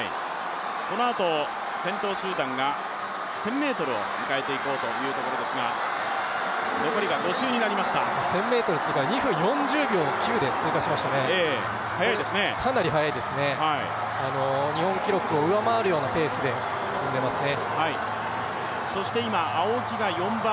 このあと先頭集団が１０００ｍを迎えていこうというところですが１０００ｍを２分４０秒９で追加していきましたね、かなり速いですね、日本記録を上回るようなペースで進んでいますね。